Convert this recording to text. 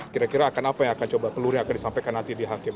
kira kira akan apa yang akan coba peluruh yang akan disampaikan nanti di hakim